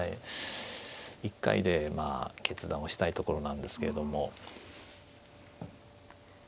一回で決断をしたいところなんですけれども。